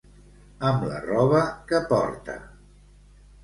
Amb la roba que porta.